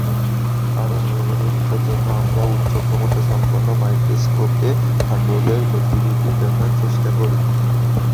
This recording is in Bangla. আরো ভালভাবে বুঝার জন্যে আমরা উচ্চক্ষমতা সম্পন্ন মাইক্রোস্কোপে ফাটলের গতিবিধি দেখার চেষ্টা করি।